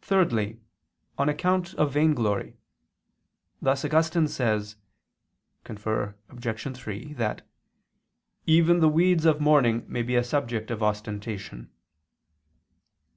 Thirdly, on account of vainglory; thus Augustine says (cf. Obj. 3) that "even the weeds of mourning may be a subject of ostentation."